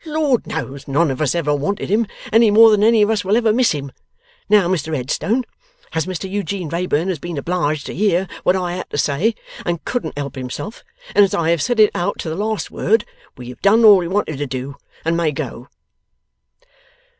Lord knows none of us ever wanted him, any more than any of us will ever miss him. Now Mr Headstone, as Mr Eugene Wrayburn has been obliged to hear what I had to say, and couldn't help himself, and as I have said it out to the last word, we have done all we wanted to do, and may go.